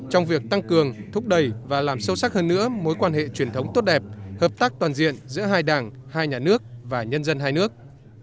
trong việc tăng cường thúc đẩy và làm sâu sắc hơn nữa mối quan hệ truyền thống tốt đẹp hợp tác toàn diện giữa hai đảng hai nhà nước và nhân dân hai nước